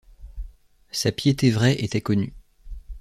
Sa piété vraie était connue.